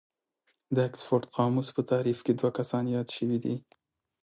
د اکسفورډ قاموس په تعريف کې دوه کسان ياد شوي دي.